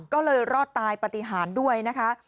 ก็เลยรอดตายปฏิหารด้วยนะคะ